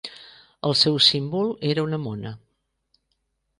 El seu símbol era una mona.